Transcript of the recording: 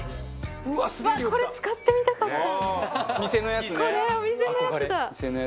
うわっ、これ使ってみたかった！